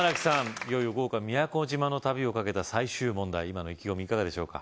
いよいよ豪華宮古島の旅をかけた最終問題今の意気込みいかがでしょうか？